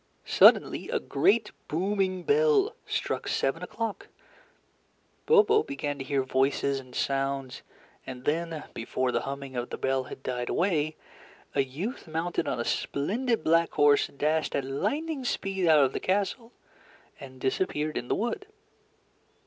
Suddenly a great booming bell struck seven o'clock; Bobo began to hear voices and sounds; and then, before the humming of the bell had died away, a youth mounted on a splendid black horse dashed at lightning speed out of the castle and disappeared in the wood.